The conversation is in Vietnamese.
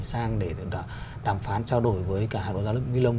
sang để đàm phán trao đổi với cả hãng đô giá milong